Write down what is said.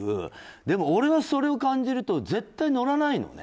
でも、俺はそれを感じると絶対に乗らないのね。